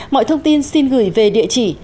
mọi thông tin xin gửi về địa chỉ